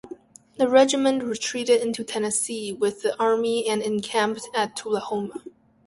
The regiment retreated into Tennessee with the army and encamped at Tullahoma.